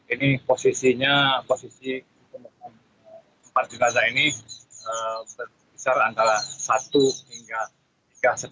ini posisinya posisi empat jenazah ini berkisar antara satu hingga tiga